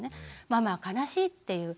「ママは悲しい」っていう。